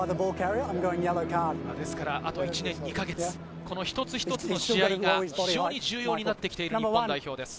ですから、あと１年２か月、一つ一つの試合が非常に重要になってきている日本代表です。